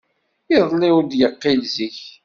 Iḍelli ur d-yeqqil zik.